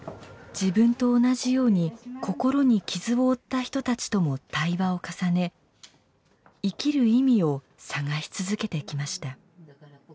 自分と同じように心に傷を負った人たちとも対話を重ね生きる意味を探し続けてきました。